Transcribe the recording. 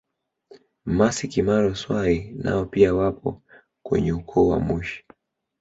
Mmasy Kimaro Swai nao pia wapo kwenye ukoo wa Mushi